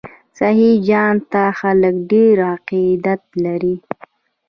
سخي جان ته خلک ډیر عقیدت لري.